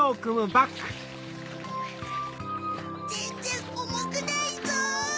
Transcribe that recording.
ぜんぜんおもくないぞ！